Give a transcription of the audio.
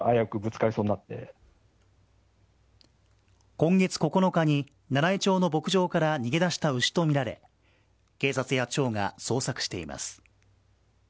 今月９日に七飯町の牧場から逃げ出した牛とみられ警察や町が捜索しています。